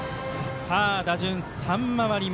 打順、３回り目。